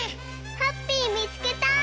ハッピーみつけた！